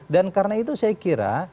karena itu saya kira